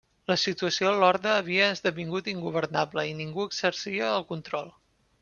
La situació a l'Horda havia esdevingut ingovernable i ningú exercia el control.